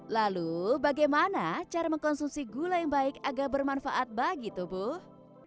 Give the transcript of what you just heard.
lalu bagaimana cara mengkonsumsi gula yang baik agar bermanfaat bagi tubuh